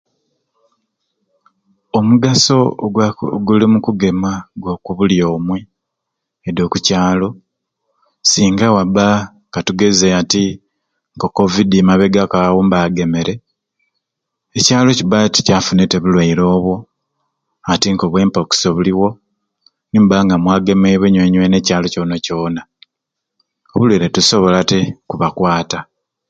Omugaso ogwa oguli omukugema gwa kubuli omwei esi okukyalo singa waba katugeze ati nko covid emabegaku awo mbagemere ekyalo kibate tikyafune bulwaire obwo ati nkobwa Mpox nkebuliwo nimuba nga mwagemebwe nyenanyena ekyalo kyona kyona obulwaire tebusobola te kubakwata